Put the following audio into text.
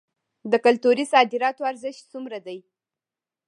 د کلتوري صادراتو ارزښت څومره دی؟